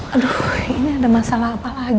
aduh ini ada masalah apa lagi